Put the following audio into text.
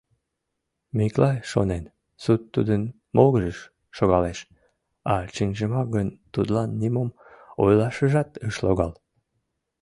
Миклай шонен, суд тудын могырыш шогалеш, а чынжымак гын тудлан нимом ойлашыжат ыш логал.